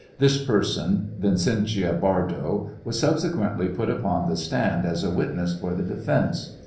This person, Vicentia Bardo, was subsequently put upon the stand as a witness for the defence.